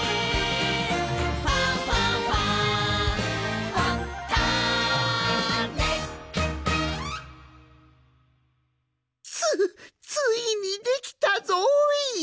「ファンファンファン」つついにできたぞい！